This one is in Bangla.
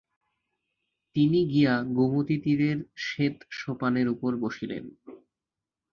তিনি গিয়া গোমতীতীরের শ্বেত সোপানের উপর বসিলেন।